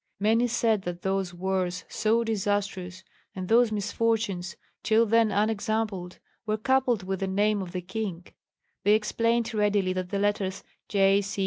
Many said that those wars so disastrous, and those misfortunes till then unexampled, were coupled with the name of the king; they explained readily that the letters "J.